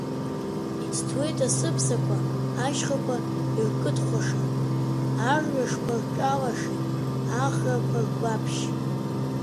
Иӡыҭуеит асыԥсақәа ашьхақәа иркыдхәаша, арҩашқәа рҿалашеит ахрақәа ргәаԥшь.